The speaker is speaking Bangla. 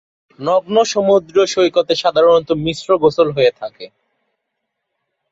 নগ্ন সমুদ্র সৈকতে সাধারণত মিশ্র গোসল হয়ে থাকে।